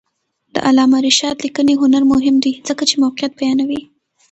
د علامه رشاد لیکنی هنر مهم دی ځکه چې موقعیت بیانوي.